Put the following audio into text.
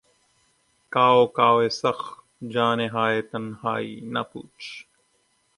کاؤ کاوِ سخت جانیہائے تنہائی، نہ پوچھ